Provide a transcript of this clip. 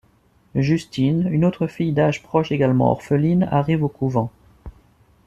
Justine, une autre fille d'âge proche également orpheline, arrive au couvent.